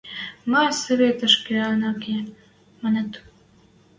– Мӓ советӹшкӹ ана ке! – маныт.